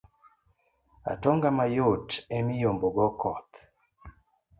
Atonga mayot emiyombogo koth.